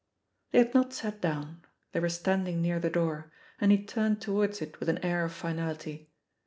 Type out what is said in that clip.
They had not sat down; they were standing near the door, and he turned towards it with an air of finality.